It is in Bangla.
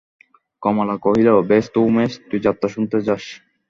কমলা কহিল, বেশ তো উমেশ, তুই যাত্রা শুনতে যাস।